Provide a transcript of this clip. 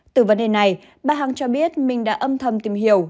từ vấn đề này bà hằng cho biết mình đã âm thầm tìm hiểu